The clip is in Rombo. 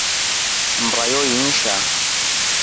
Mmba yohoi inshaa.